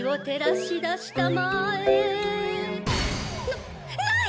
なっない！